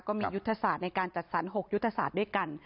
ยุทธศาสตร์ในการจัดสรร๖ยุทธศาสตร์ด้วยกัน